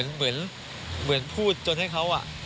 เหมือนพูดจนให้เขา